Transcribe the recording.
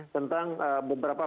tentang beberapa perubahan